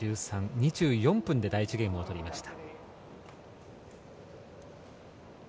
２４分で第１ゲームを取りました。